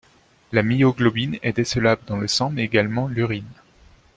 La myoglobine est décelable dans le sang mais également l'urine.